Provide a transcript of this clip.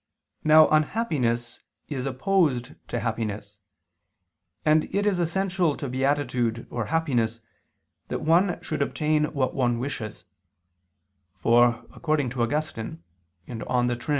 Now unhappiness is opposed to happiness: and it is essential to beatitude or happiness that one should obtain what one wishes; for, according to Augustine (De Trin.